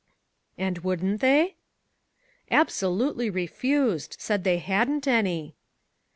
"And wouldn't they?" "Absolutely refused. They said they hadn't any."